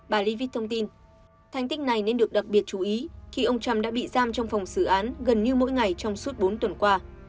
bà livich thông tin thành tích này nên được đặc biệt chú ý khi ông trump đã bị giam trong phòng xử án gần như mỗi ngày trong suốt bốn tuần qua